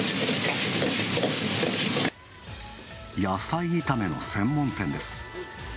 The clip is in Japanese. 野菜炒めの専門店です。